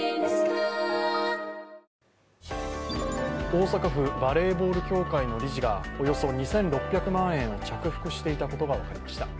大阪府バレーボール協会の理事がおよそ２６００万円を着服していたことが分かりました。